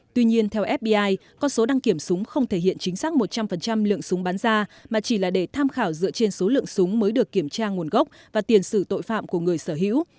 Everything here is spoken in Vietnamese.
tuy nhiên theo fbi con số đăng kiểm súng không thể hiện chính xác một trăm linh lượng súng bán ra mà chỉ là để tham khảo dựa trên số lượng súng mới được kiểm tra nguồn gốc và tiền xử tội phạm của người sở hữu